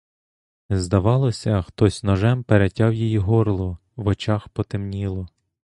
Здавалося, хтось ножем перетяв їй горло, в очах потемніло.